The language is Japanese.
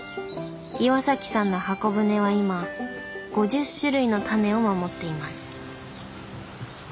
岩さんの箱舟は今５０種類のタネを守っています。